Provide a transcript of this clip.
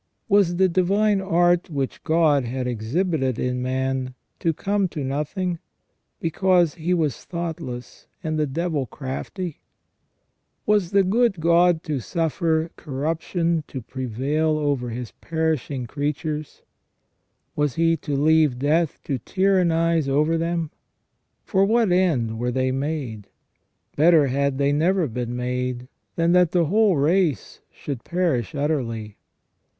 Was the divine art which God had exhibited in man to come to nothing, because he was thoughtless and the devil crafty ? Was the good God to suffer corruption to prevail over His perishing creatures ? Was He to leave death to tyrannize over them ? For what end were they made ? Better had they never been made, than that the whole race should perish utterly.